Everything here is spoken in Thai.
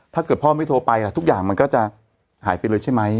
ถ้าเกิดพ่อไม่โทรไปทุกอย่างมันก็จะหายไปเลยใช่ไหม